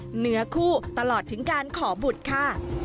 เหนือคู่ตลอดถึงการขอบุตรค่ะ